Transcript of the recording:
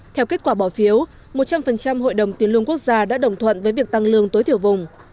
theo kết quả bỏ phiếu một trăm linh hội đồng tiền lương quốc gia đã đồng thuận với việc tăng lương tối thiểu vùng